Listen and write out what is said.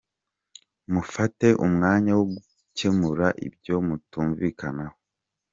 Mufate umwanya wo gukemura ibyo mutumvikanaho.